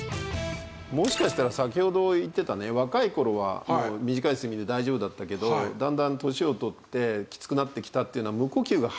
もしかしたら先ほど言ってたね若い頃は短い睡眠で大丈夫だったけどだんだん年を取ってきつくなってきたっていうのは。